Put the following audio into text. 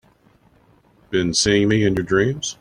Been seeing me in your dreams?